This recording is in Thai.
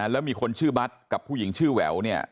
แล้วมีคนชื่อบัตรกับผู้หญิงชื่อแหววเนี่ย